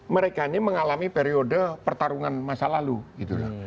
mereka ini mengalami periode pertarungan masa lalu gitu loh